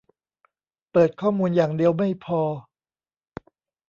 เปิดข้อมูลอย่างเดียวไม่พอ